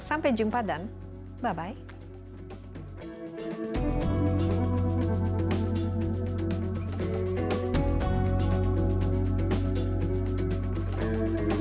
sampai jumpa dan mbak bye